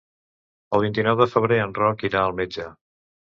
El vint-i-nou de febrer en Roc irà al metge.